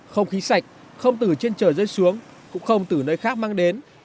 không khí sạch không từ trên trời rơi xuống cũng không từ nơi khác mang đến